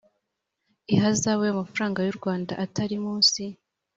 ihazabu y amafaranga y u rwanda atari munsi